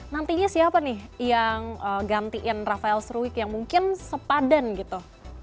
nantinya siapa nih yang gantiin rafael seruik yang mungkin sepadan gitu